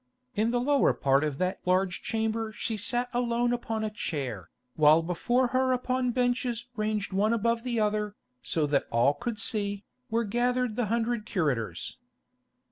In the lower part of that large chamber she sat alone upon a chair, while before her upon benches ranged one above the other, so that all could see, were gathered the hundred curators.